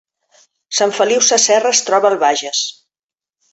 Sant Feliu Sasserra es troba al Bages